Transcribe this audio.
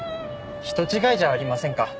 人違いじゃありませんか？